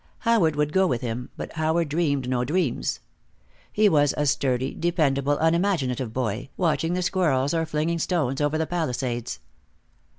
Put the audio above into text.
Howard would go with him, but Howard dreamed no dreams. He was a sturdy, dependable, unimaginative boy, watching the squirrels or flinging stones over the palisades.